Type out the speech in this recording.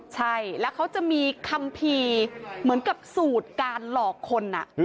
ใช่แล้วเขาจะมีคัมภีร์เหมือนกับสูตรการหลอกคน